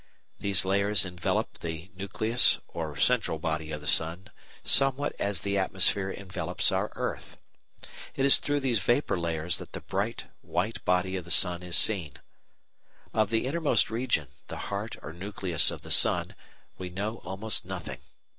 These layers envelop the nucleus or central body of the sun somewhat as the atmosphere envelops our earth. It is through these vapour layers that the bright white body of the sun is seen. Of the innermost region, the heart or nucleus of the sun, we know almost nothing.